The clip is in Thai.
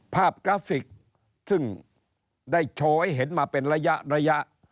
กราฟิกซึ่งได้โชว์ให้เห็นมาเป็นระยะระยะ